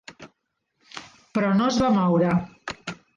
Però no es va moure.